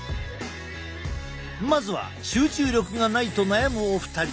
まずは集中力がないと悩むお二人。